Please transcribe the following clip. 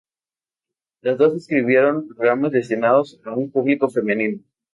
Las dos escribieron programas destinados a un público femenino.